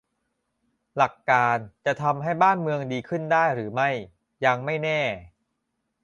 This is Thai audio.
หลักการ จะทำให้บ้านเมืองดีขึ้นได้หรือไม่ ยังไม่แน่